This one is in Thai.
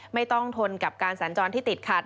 ต้องทนกับการสัญจรที่ติดขัด